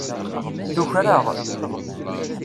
Tuker-aɣ.